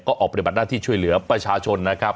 ก็ออกปฏิบัติหน้าที่ช่วยเหลือประชาชนนะครับ